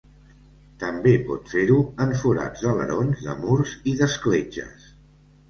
També pot fer-ho en forats d'alerons, de murs i d'escletxes.